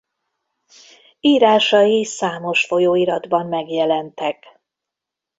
Írásai számos folyóiratban megjelentek.